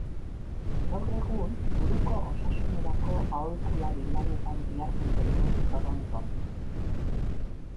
Gaur egun, buruko osasunerako aholkulari lanetan diharduten du Toronton.